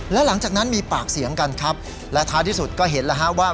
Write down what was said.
แล้วหลังจากนั้นมีปากเสียงกันครับและท้ายที่สุดก็เห็นแล้วฮะว่า